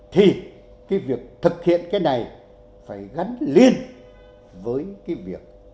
thì cái việc thực hiện cái này phải gắn liền với cái việc